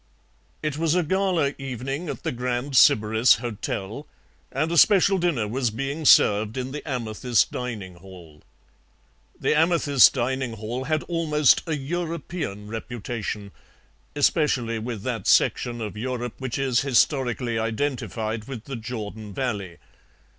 "It was a gala evening at the Grand Sybaris Hotel, and a special dinner was being served in the Amethyst dining hall. The Amethyst dining hall had almost a European reputation, especially with that section of Europe which is historically identified with the Jordan Valley.